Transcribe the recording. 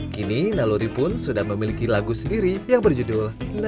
kini naluri pun sudah memiliki lagu sendiri yang berjudul